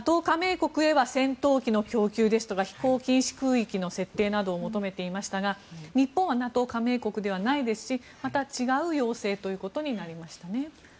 加盟国へは戦闘機の供給ですとか飛行禁止空域の設定などを求めていましたが日本はＮＡＴＯ加盟国ではないですしまた違う要請ということになりましたね。